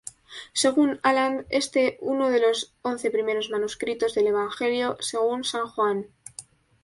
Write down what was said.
Según Aland este uno de los once primeros manuscritos del Evangelio según San Juan.